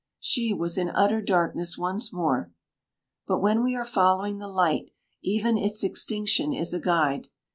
She was in utter darkness once more. But when we are following the light, even its extinction is a guide.